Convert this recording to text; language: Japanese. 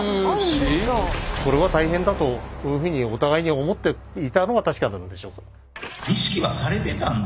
これは大変だというふうにお互いに思っていたのは確かなのでしょう。